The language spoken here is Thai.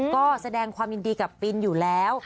ก็แสดงความยินดีกับปินอยู่แล้ว